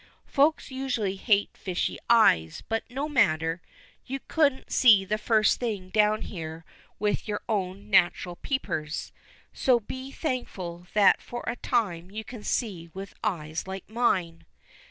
Folks usually hate fishy eyes, but no matter, you couldn't see the first thing down here with your own natural peepers, so be thankful that for a time you can see with eyes like mine.